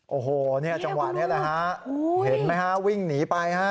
โอ้โหจังหวะนี้แหละฮะเห็นมั้ยฮะวิ่งหนีไปฮะ